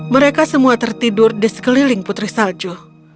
mereka semua tertidur di sekeliling putri salju